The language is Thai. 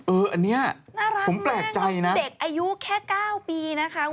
เอออันนี้ผมแปลกใจนะน่ารักมากเด็กอายุแค่๙ปีนะคะ